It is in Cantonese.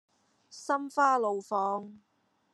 心花怒放